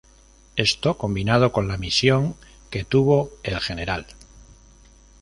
Esto, combinado con la misión que tuvo el Gral.